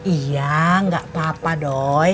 iya enggak apa apa doi